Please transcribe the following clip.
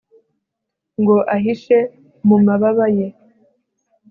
ngo aguhishe mu mababa ye